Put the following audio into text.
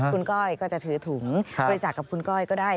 คุณก้อยก็จะถือถุงบริจาคกับคุณก้อยก็ได้